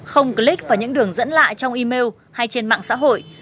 không click vào những đường dẫn lại trong email hay trên mạng xã hội